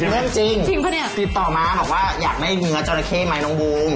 เรื่องจริงป่ะเนี่ยติดต่อมาบอกว่าอยากได้เนื้อจราเข้ไหมน้องบูม